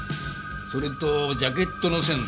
それとジャケットの線だ。